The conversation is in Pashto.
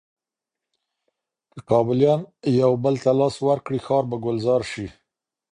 که کابليان یو بل ته لاس ورکړي، ښار به ګلزار شي.